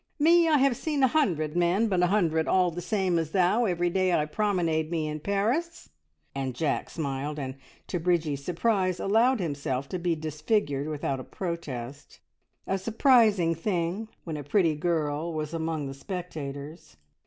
"Me I have seen a hundred men, but a hundred, all the same as thou every day I promenade me in Paris!" And Jack smiled and, to Bridgie's surprise, allowed himself to be disfigured without a protest a surprising thing when a pretty girl was among the spectators.